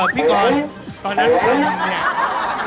พี่กรอนตอนนั้นทำอย่างนี้